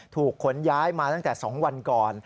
ขนย้ายมาตั้งแต่๒วันก่อน